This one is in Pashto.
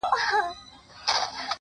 نور خپلي ويني ته شعرونه ليكو-